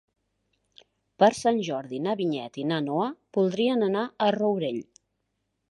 Per Sant Jordi na Vinyet i na Noa voldrien anar al Rourell.